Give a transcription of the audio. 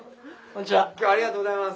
今日はありがとうございます。